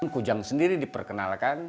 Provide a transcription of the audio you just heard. kujang sendiri diperkenalkan